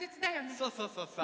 そうそうそうそう。